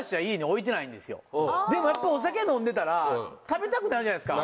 でもやっぱお酒飲んでたら食べたくなるじゃないですか。